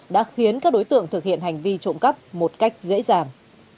đã khiến các đối tượng thực hiện hành vi trộm cắp một cách dễ dàng